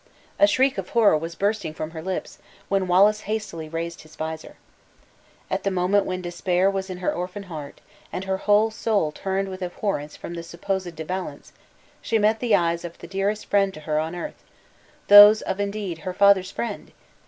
A shriek of horror as bursting from her lips, when Wallace hastily raised his visor. At the moment when despair was in her orphan heart, and her whole soul turned with abhorrence from the supposed De Valence, she met the eyes of the dearest to her on earth those of indeed her father's friend!